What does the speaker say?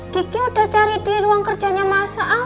kiki udah cari di ruang kerjanya mas al